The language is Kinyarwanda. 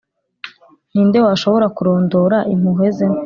Ni nde washobora kurondora impuhwe ze?